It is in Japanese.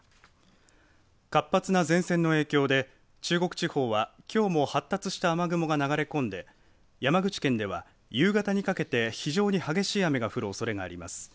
活発な前線の影響で中国地方はきょうも発達した雨雲が流れ込んで山口県では夕方にかけて非常に激しい雨が降るおそれがあります。